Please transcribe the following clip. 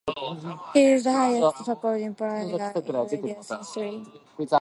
He is the highest scoring player in Raiders history.